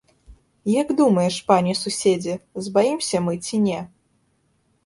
Як думаеш, пане суседзе, збаімся мы ці не?